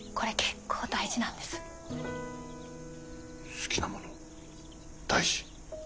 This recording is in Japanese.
好きなもの大事。